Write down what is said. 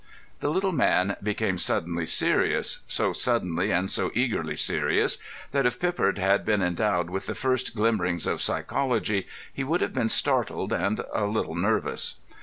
The little man became suddenly serious, so suddenly and so eagerly serious, that if Pippard had been endowed with the first glimmerings of psychology, he would have been startled and a little nervous.